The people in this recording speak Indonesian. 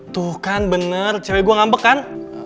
tuh kan bener cewek gue ngambek kan